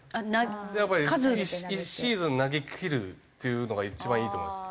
やっぱり１シーズン投げきるっていうのが一番いいと思います。